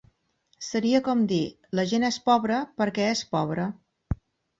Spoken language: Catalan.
Seria com dir "La gent és pobre perquè és pobre".